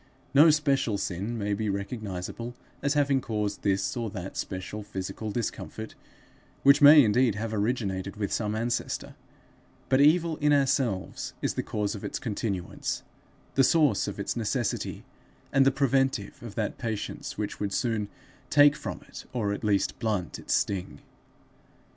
No special sin may be recognizable as having caused this or that special physical discomfort which may indeed have originated with some ancestor; but evil in ourselves is the cause of its continuance, the source of its necessity, and the preventive of that patience which would soon take from it, or at least blunt its sting.